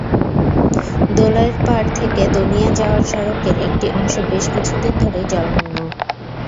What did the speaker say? দোলাইরপাড় থেকে দনিয়া যাওয়ার সড়কের একটি অংশ বেশ কিছুদিন ধরেই জলমগ্ন।